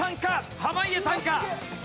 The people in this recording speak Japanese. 濱家さんか？